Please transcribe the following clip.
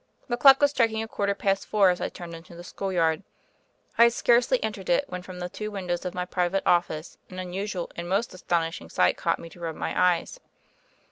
The clock was striking a quarter past four as I turned into the schoolyard. I had scarcely entered it when from the two windows of my private office an unusual and most astonishing sight caused me to rub my eyes.